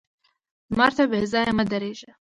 لمر ته بې ځايه مه درېږه